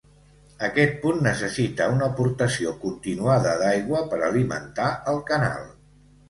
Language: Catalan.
Aquest punt necessita una aportació continuada d'aigua per alimentar el canal.